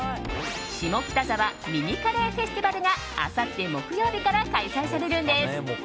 下北沢ミニカレーフェスティバルがあさって木曜日から開催されるんです。